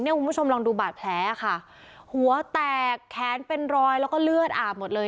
คุณผู้ชมลองดูบาดแผลค่ะหัวแตกแขนเป็นรอยแล้วก็เลือดอาบหมดเลย